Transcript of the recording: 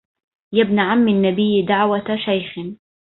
يا ابن عم النبي دعوة شيخ